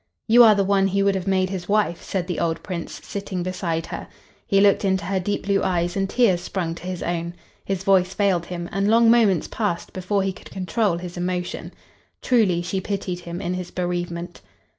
"You are the one he would have made his wife," said the old Prince, sitting beside her. He looked into her deep blue eyes and tears sprung to his own. His voice failed him, and long moments passed before he could control his emotion. Truly she pitied him in his bereavement.